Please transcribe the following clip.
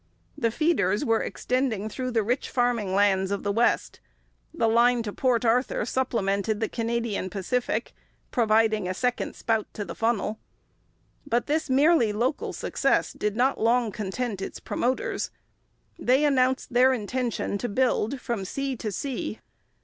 The feeders were extending through the rich farming lands of the West; the line to Port Arthur supplemented the Canadian Pacific, providing a second spout to the funnel. But this merely local success did not long content its promoters. They announced their intention to build from sea to sea.